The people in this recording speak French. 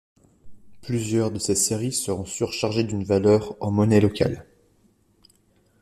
Plusieurs de ces séries sont surchargées d'une valeur en monnaie locale.